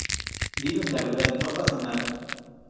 dinos la verdad. no pasa nada.